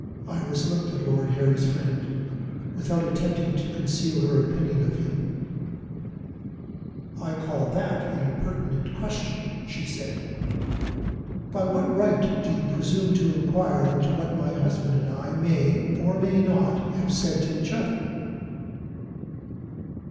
Iris looked at Lord Harry's friend without attempting to conceal her opinion of him. "I call that an impertinent question," she said. "By what right do you presume to inquire into what my husband and I may, or may not, have said to each other?"